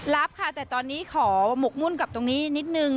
รับค่ะแต่ตอนนี้ขอหมกมุ่นกับตรงนี้นิดนึง